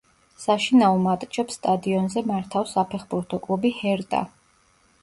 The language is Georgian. საშინაო მატჩებს სტადიონზე მართავს საფეხბურთო კლუბი „ჰერტა“.